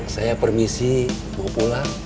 saya permisi mau pulang